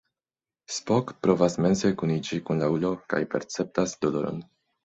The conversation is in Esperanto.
Spock provas mense kuniĝi kun la ulo, kaj perceptas doloron.